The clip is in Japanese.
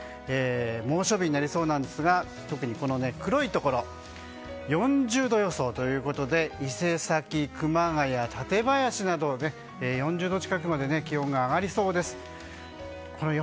猛暑日になりそうなんですが特に黒いところ４０度予想ということで伊勢崎、熊谷、館林などは４０度近くまで気温が上がりそうです。